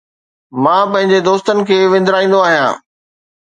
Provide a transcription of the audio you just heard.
مان پنهنجن دوستن کي وندرائيندو آهيان